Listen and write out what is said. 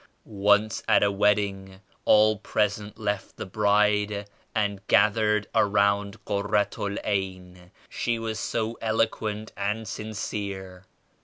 Once at a wedding all present left the bride and gath ered around Kurratu I'Ayn ; she was so eloquent and sincere.